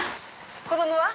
子供は？